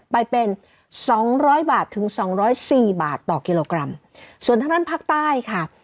ไปเป็นสองร้อยบาทถึงสองร้อยสี่บาทต่อกิโลกรัมส่วนทางด้านภาคใต้ค่ะ